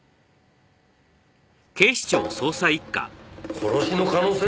殺しの可能性？